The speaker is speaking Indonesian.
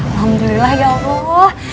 alhamdulillah ya allah